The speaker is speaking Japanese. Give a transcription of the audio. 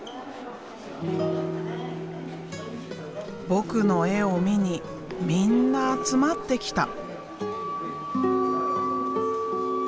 僕の絵を見にみんな集まってきた。